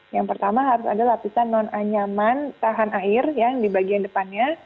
yang pertama harus ada lapisan non anyaman tahan air yang di bagian depannya